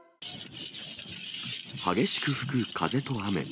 激しく吹く風と雨。